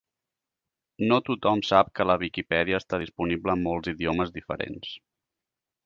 No tothom sap que la Viquipèdia està disponible en molts idiomes diferents